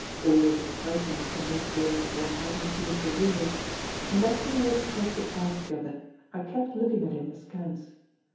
Always exciting to meet those one hasn't seen for years; and as we walked across the Park together I kept looking at him askance.